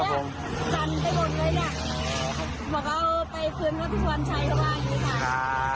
ขอโทษด้วยค่ะ